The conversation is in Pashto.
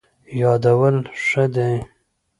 یادول ښه دی.